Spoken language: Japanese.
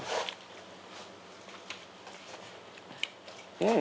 うん。